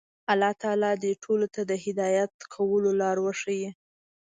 الله تعالی دې ټولو ته د هدایت کولو لاره ور وښيي.